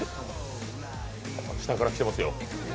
下から来てますよ